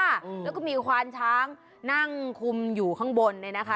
แล้วก็มีควานช้างนั่งคุมอยู่ข้างบนเนี่ยนะคะ